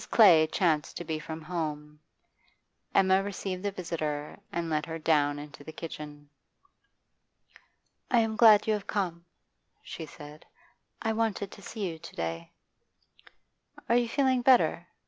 Clay chanced to be from home; Emma received the visitor and led her down into the kitchen. 'I am glad you have come,' she said; 'I wanted to see you to day.' 'Are you feeling better?